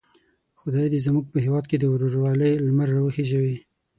خدای دې زموږ په هیواد کې د ورورولۍ لمر را وخېژوي.